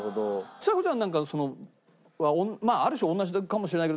ちさ子ちゃんなんかある種同じかもしれないけど。